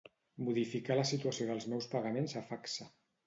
Modificar la situació dels meus pagaments a Facsa.